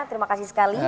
terima kasih sekali